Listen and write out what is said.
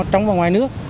trong và ngoài nước